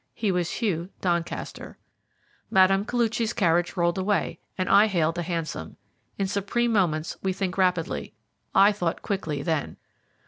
He was Hugh Doncaster. Mme. Koluchy's carriage rolled away, and I hailed a hansom. In supreme moments we think rapidly. I thought quickly then.